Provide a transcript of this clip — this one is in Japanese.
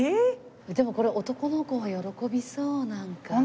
でもこれ男の子は喜びそうなんか。